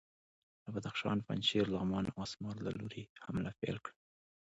له بدخشان، پنجشیر، لغمان او اسمار له لوري یې حمله پیل کړه.